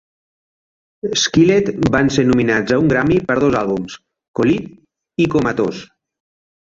Skillet van ser nominats a un Grammy per a dos àlbums Collide i Comatose.